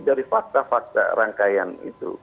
dari fakta fakta rangkaian itu